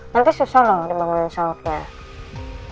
nanti susah loh dibangunin sahurnya